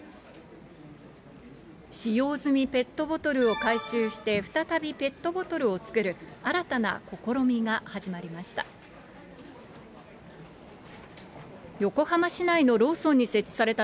使用済みペットボトルを回収して、再びペットボトルを作る、新たな試みが始まりました。